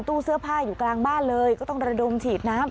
ตู้เสื้อผ้าอยู่กลางบ้านเลยก็ต้องระดมฉีดน้ำ